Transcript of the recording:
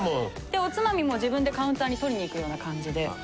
おつまみも自分でカウンターに取りに行くような感じで。